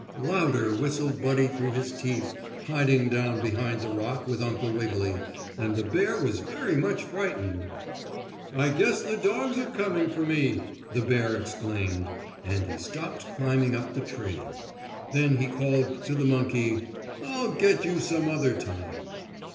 Louder whistled Buddy through his teeth, hiding down behind the rock with Uncle Wiggily, and the bear was very much frightened. "I guess the dogs are coming for me!" the bear exclaimed, and he stopped climbing up the tree. Then he called to the monkey: "I'll get you some other time."